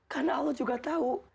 karena allah juga tahu